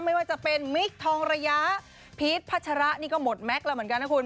ไม่ว่าจะเป็นมิคทองระยะพีชพัชระนี่ก็หมดแม็กซ์แล้วเหมือนกันนะคุณ